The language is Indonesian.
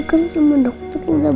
aku bisa sjokin aja ke rumah